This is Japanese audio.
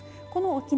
この沖縄